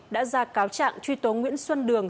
đã ra cáo trạng truy tố nguyễn xuân đường